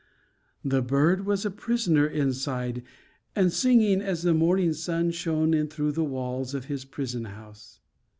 The bird was a prisoner inside, and singing as the morning sun shone in through the walls of his prison house.